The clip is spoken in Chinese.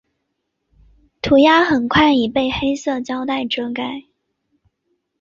涂鸦很快已被黑色胶袋遮盖。